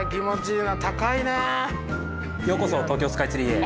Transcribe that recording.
ようこそ東京スカイツリーへ。